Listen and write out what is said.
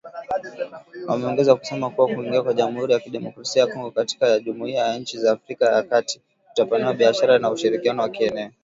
Wameongeza kusema kuwa kuingia kwa Jamuhuri ya kidemokrasia ya kongo katika jumuhiya ya inchi za Afrika ya kat kutapanua biashara na ushirikiano wa kieneo